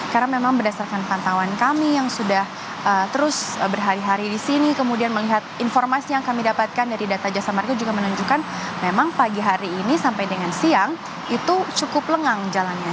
karena memang berdasarkan pantauan kami yang sudah terus berhari hari di sini kemudian melihat informasi yang kami dapatkan dari data jasa markup juga menunjukkan memang pagi hari ini sampai dengan siang itu cukup lengang jalannya